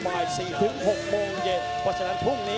มาย๔๖โมงเย็น